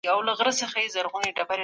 ايا د اقتصاد توازن تل شتون لري؟